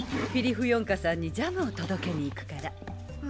フィリフヨンカさんにジャムを届けに行くから。